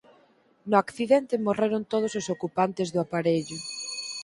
No accidente morreron todos os ocupantes do aparello.